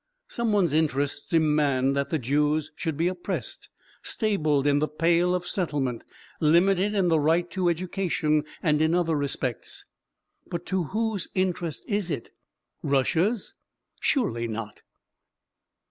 Some one's interests demand that the Jews should be oppressed, stabled in the "Pale of Settlement," limited in the right to education, and in other respects. But to whose interest is it? Russia's? Surely not.